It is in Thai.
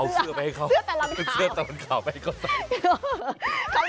เอาเธอสื้อตาลอนขาวไปให้เขาใส่